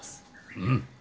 うん。